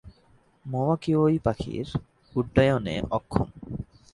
মোয়া কিউই পাখির উড্ডয়নে অক্ষম।